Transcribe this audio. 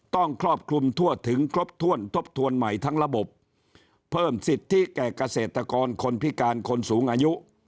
ครอบคลุมทั่วถึงครบถ้วนทบทวนใหม่ทั้งระบบเพิ่มสิทธิแก่เกษตรกรคนพิการคนสูงอายุ